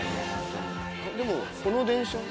でもこの電車。